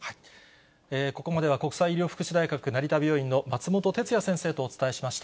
ここまでは、国際医療福祉大学成田病院の松本哲哉先生とお伝えしました。